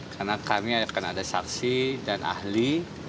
karena kami akan ada saksi dan ahli